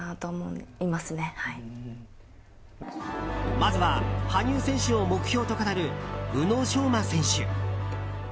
まずは羽生選手を目標と語る宇野昌磨選手。